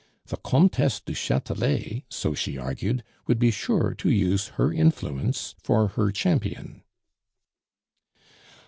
The Comtesse du Chatelet, so she argued, would be sure to use her influence for her champion.